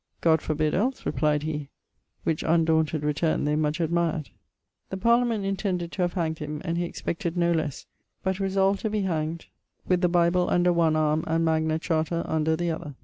'God forbid els!' replied he which undaunted returne they much admired. The parliament intended to have hanged him; and he expected no lesse, but resolved to be hangd with the Bible under one arme and Magna Charta under the other.